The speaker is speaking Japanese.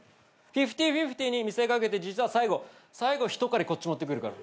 フィフティフィフティに見せかけて実は最後最後ひとかりこっち持ってくるから。